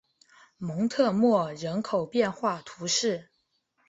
蒙特莫人口变化图示